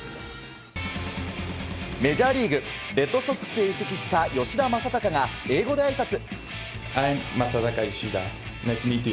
メジャーリーグレッドソックスへ移籍した吉田正尚が英語であいさつ。